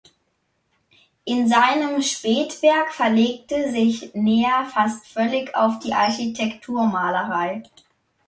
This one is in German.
In seinem Spätwerk verlegte sich Neher fast völlig auf die Architekturmalerei.